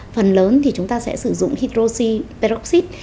phần lớn thì chúng ta sẽ sử dụng hydroxy peroxide